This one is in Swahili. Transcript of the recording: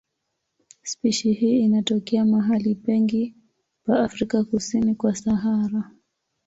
Spishi hii inatokea mahali pengi pa Afrika kusini kwa Sahara.